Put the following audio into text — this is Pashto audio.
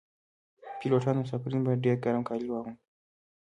پیلوټان او مسافرین باید ډیر ګرم کالي واغوندي